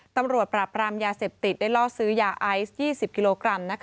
ตำรวจปราบรามยาเสพติดได้ล่อซื้อยาไอซ์๒๐กิโลกรัม